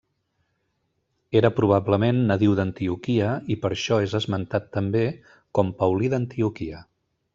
Era probablement nadiu d'Antioquia i per això és esmentat també com Paulí d'Antioquia.